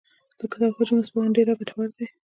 د کتاب حجم نسبتاً ډېر او ګټور دی.